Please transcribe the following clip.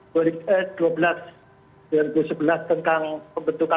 jadi sungguhpun ini permen ya